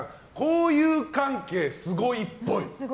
交友関係スゴいっぽい。